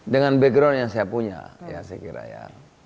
dengan background yang saya punya ya saya kira ya